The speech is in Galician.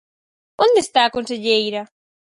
¿Onde está a conselleira?